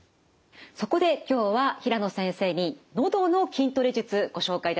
そこで今日は平野先生にのどの筋トレ術ご紹介いただきます。